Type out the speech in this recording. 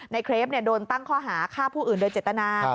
เครปโดนตั้งข้อหาฆ่าผู้อื่นโดยเจตนา